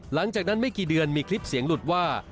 หลังจากนั้นไม่กี่เดือนมีคลิปเสียงหลุดว่า